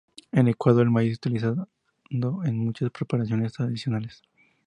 En Ecuador el maíz es utilizado en muchas preparaciones tradicionales.